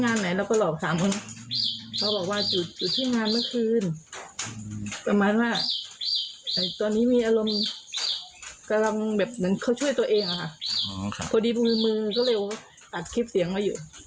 อัดคลิปเสียงมาอยู่